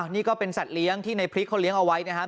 นี่ก็เป็นสัตว์เลี้ยงที่ในพริกเขาเลี้ยงเอาไว้นะครับ